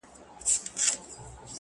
د سرو شرابو د خُمونو د غوغا لوري،